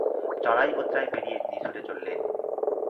চড়াই-উতরাই পেরিয়ে তিনি ছুটে চললেন।